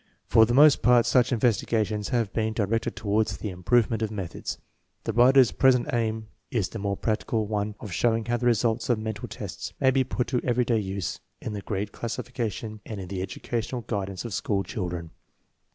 For the most part such investigations have been di rected toward the improvements of methods. The writer's present i is the more practical one of show ing how the results of mental tests may be put to everyday use hi the grade classification and in the educational guidance of school children.